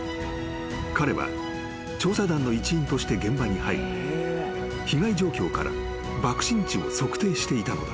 ［彼は調査団の一員として現場に入り被害状況から爆心地を測定していたのだ］